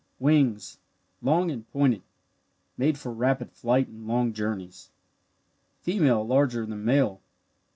Wings long and pointed made for rapid flight and long journeys. Female larger than male.